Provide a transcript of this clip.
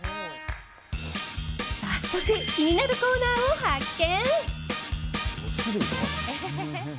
早速、気になるコーナーを発見。